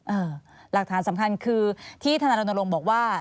หลักฐานสำคัญคือที่ธนายรณรงค์บอกว่า